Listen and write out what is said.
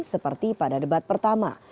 seperti pada debat pertama